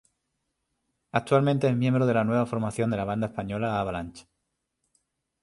Actualmente es miembro de la nueva formación de la banda española Avalanch.